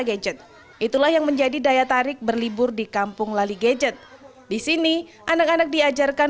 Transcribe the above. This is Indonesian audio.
gadget itulah yang menjadi daya tarik berlibur di kampung lali gadget disini anak anak diajarkan